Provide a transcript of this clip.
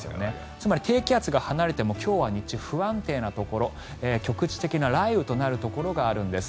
つまり低気圧が離れても今日は日中、不安定なところ局地的な雷雨となるところがあるんです。